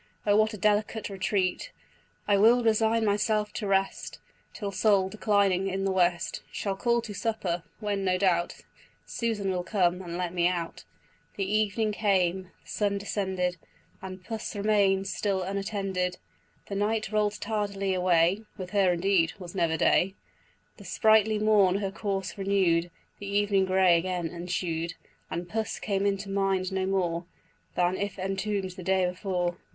O what a delicate retreat! I will resign myself to rest Till Sol, declining in the west, Shall call to supper, when, no doubt, Susan will come and let me out." The evening came, the sun descended, And Puss remain'd still unattended. The night roll'd tardily away, (With her indeed 'twas never day,) The sprightly morn her course renew'd, The evening grey again ensued, And puss came into mind no more Than if entomb'd the day before.